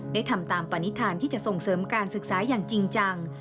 ทำตามปณิธานที่จะส่งเสริมการศึกษาอย่างจริงจัง